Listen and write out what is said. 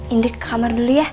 indik kamar dulu ya